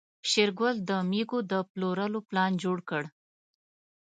شېرګل د مېږو د پلورلو پلان جوړ کړ.